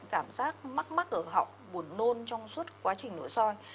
cảm giác mắc mắc ở họng buồn nôn trong suốt quá trình nội soi